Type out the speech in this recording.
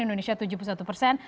indonesia tujuh puluh satu persen